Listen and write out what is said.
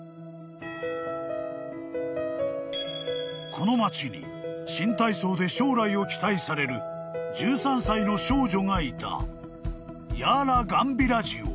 ［この街に新体操で将来を期待される１３歳の少女がいた］